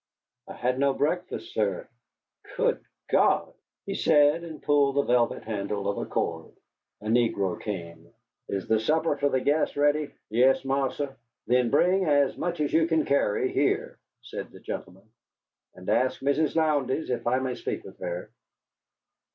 "I had no breakfast, sir." "Good God!" he said, and pulled the velvet handle of a cord. A negro came. "Is the supper for the guests ready?" "Yes, Marsa." "Then bring as much as you can carry here," said the gentleman. "And ask Mrs. Lowndes if I may speak with her."